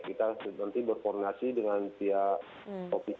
kita nanti berkoordinasi dengan pihak covid